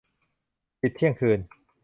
ปิดเที่ยงคืน